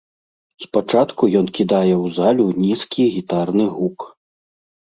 Спачатку ён кідае ў залю нізкі гітарны гук.